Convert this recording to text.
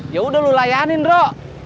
yaudah lu layanin bro